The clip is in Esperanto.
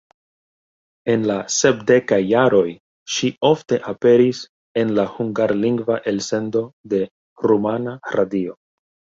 En la sepdekaj jaroj ŝi ofte aperis en la hungarlingva elsendo de Rumana Radio.